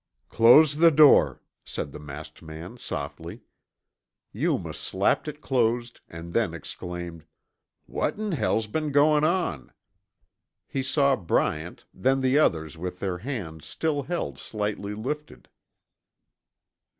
"Close the door," said the masked man softly. Yuma slapped it closed and then exclaimed, "What in hell's been goin' on?" He saw Bryant, then the others with their hands still held slightly lifted.